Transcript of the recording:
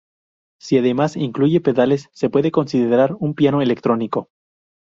Si además incluye pedales, se puede considerar un piano electrónico.